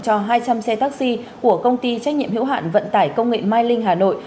cho hai trăm linh xe taxi của công ty trách nhiệm hữu hạn vận tải công nghệ mai linh hà nội